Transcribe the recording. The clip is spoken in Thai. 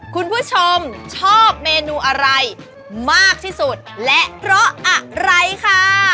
คุณผู้ชมชอบเมนูอะไรมากที่สุดและเพราะอะไรค่ะ